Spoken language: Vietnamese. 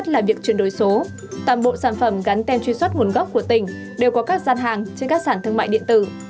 các bộ sản phẩm gắn tem chuyên suất nguồn gốc của tỉnh đều có các gian hàng trên các sản thương mại điện tử